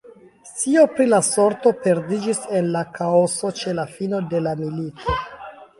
Scio pri la sorto perdiĝis en la kaoso ĉe la fino de la milito.